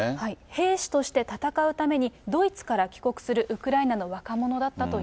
兵士として戦うためにドイツから帰国するウクライナの若者だ